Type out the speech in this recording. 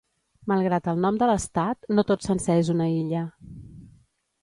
Malgrat el nom de l'estat, no tot sencer és una illa.